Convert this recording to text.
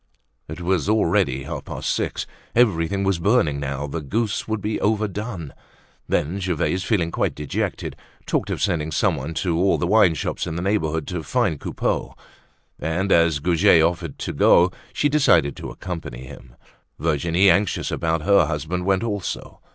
It was already half past six. Everything was burning now; the goose would be overdone. Then Gervaise, feeling quite dejected, talked of sending someone to all the wineshops in the neighborhood to find Coupeau. And as Goujet offered to go, she decided to accompany him. Virginie, anxious about her husband went also.